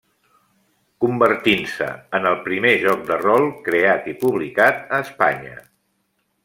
Convertint-se en el primer joc de rol creat i publicat a Espanya.